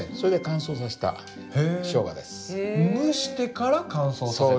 蒸してから乾燥させた？